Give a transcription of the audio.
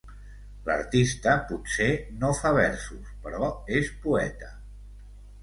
L'artista potser no fa versos, però és poeta.